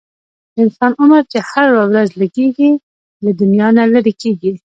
د انسان عمر چې هره ورځ لږیږي، له دنیا نه لیري کیږي